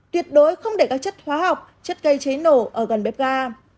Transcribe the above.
tuyệt đối không để các chất hóa học chất gây cháy nổ ở gần bếp ga